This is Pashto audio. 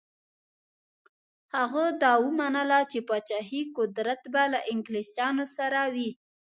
هغه دا ومنله چې پاچهي قدرت به له انګلیسیانو سره وي.